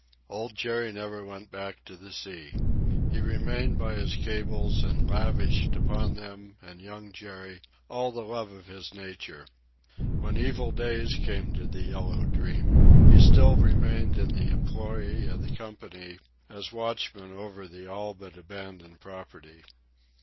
Old Jerry never went back to the sea. He remained by his cables, and lavished upon them and Young Jerry all the love of his nature. When evil days came to the Yellow Dream, he still remained in the employ of the company as watchman over the all but abandoned property.